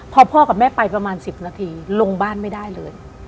พอพ่อกับแม่ไปประมาณ๑๐นาทีลงบ้านไม่ได้เลย